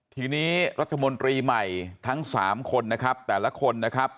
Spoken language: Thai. ทีนี้รัฐมนตรีใหม่ทั้ง๓คนนะครับแต่ละคนนะครับ